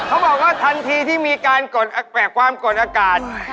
เออเขาบอกว่าทันทีที่มีการแปลกความกลอดอากาศ